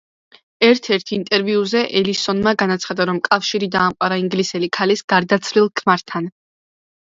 ერთ-ერთ ინტერვიუზე ელისონმა განაცხადა რომ კავშირი დაამყარა ინგლისელი ქალის გარდაცვლილ ქმართან.